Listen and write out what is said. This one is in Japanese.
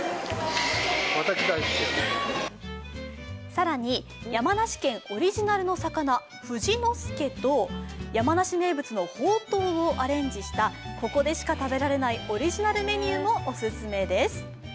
更に山梨県オリジナルの魚、富士の介と、山梨名物のほうとうをアレンジしたここでしか食べられないオリジナルメニューもオススメです。